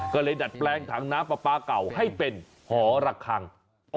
ก็เลยดัดแปลงถังน้ำปลาปลาเก่าให้เป็นหอระคัง